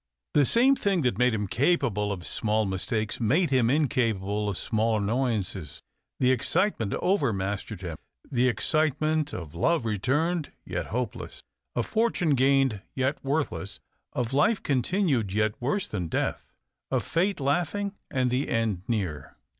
The same thing that made him capable of small mistakes made him incapable of small annoyances. The excite ment overmastered him — the excitement of love returned yet hopeless, of fortune gained yet worthless, of life continued yet worse than death, of fate laughing and the end near.